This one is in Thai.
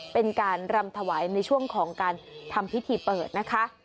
เป็นการรำถวายในช่วงของการทำพิธีเปิดนะคะ